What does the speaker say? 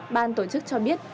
ban tổ chức cho biết